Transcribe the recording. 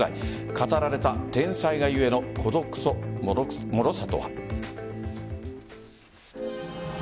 語られた天才が故の孤独ともろさとは。